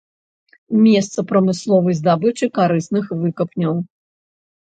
Месца прамысловай здабычы карысных выкапняў.